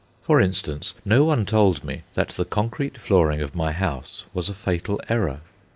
For instance, no one told me that the concrete flooring of my house was a fatal error.